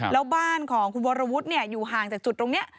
แล้วบ้านของคุณวรวุฒิอยู่ห่างจากจุดตรงนี้